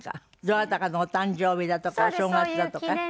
どなたかのお誕生日だとかお正月だとか？